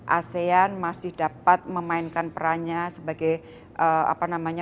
asean masih dapat memainkan perannya sebagai apa namanya